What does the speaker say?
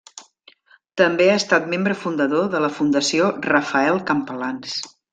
També ha estat membre fundador de la Fundació Rafael Campalans.